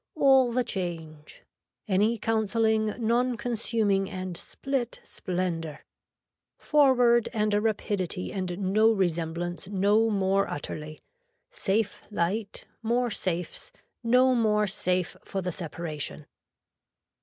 All the change. Any counselling non consuming and split splendor. Forward and a rapidity and no resemblance no more utterly. Safe light, more safes no more safe for the separation.